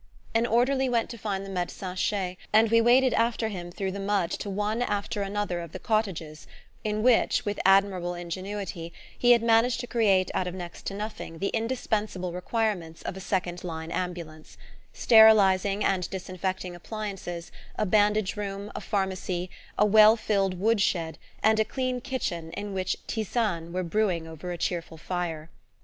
An orderly went to find the medecin chef, and we waded after him through the mud to one after another of the cottages in which, with admirable ingenuity, he had managed to create out of next to nothing the indispensable requirements of a second line ambulance: sterilizing and disinfecting appliances, a bandage room, a pharmacy, a well filled wood shed, and a clean kitchen in which "tisanes" were brewing over a cheerful fire.